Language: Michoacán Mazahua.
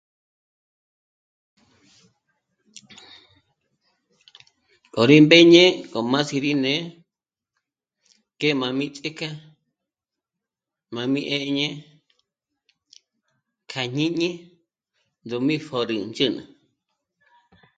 K'o rí mbéñe k'o m'á sí'i rí né'e que m'á m'í ts'íjke mā́jm'í 'éñe kja jñíni ndó mí pjö̀rü ndzhǚnü